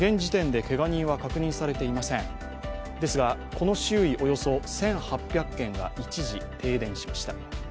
ですが、この周囲およそ１８００軒が一時停電しました。